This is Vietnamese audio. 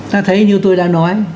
ta thấy như tôi đã nói